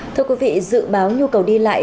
thưa quý vị dự báo nhu cầu đi lại